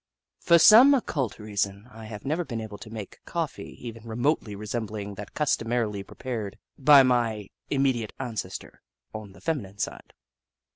For some occult reason, I have never been able to make coffee even remotely resembling that customarily prepared by my immediate ancestor on the feminine side.